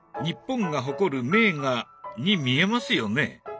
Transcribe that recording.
日本が誇る名画に見えますよね？